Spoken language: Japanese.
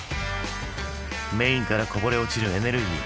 メインからこぼれ落ちるエネルギー。